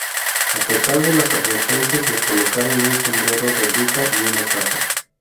A pesar de las advertencias, le colocaron un sombrero de bruja y una capa.